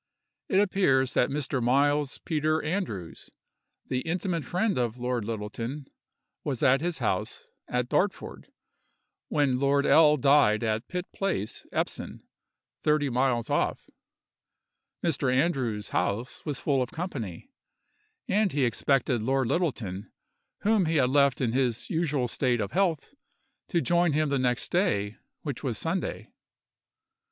It appears that Mr. Miles Peter Andrews, the intimate friend of Lord Littleton, was at his house, at Dartford, when Lord L. died at Pitt place, Epsom, thirty miles off. Mr. Andrews' house was full of company, and he expected Lord Littleton, whom he had left in his usual state of health, to join him the next day, which was Sunday.